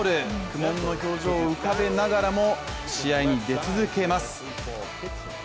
苦もんの表情を浮かべながらも試合に出続けます。